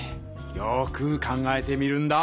よく考えてみるんだ！